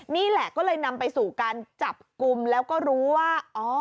นี่แหละก็เลยนำไปสู่การจับกลุ่มแล้วก็รู้ว่า